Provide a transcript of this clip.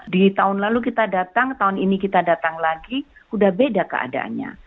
di tahun lalu kita datang tahun ini kita datang lagi udah beda keadaannya